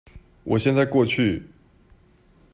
我現在過去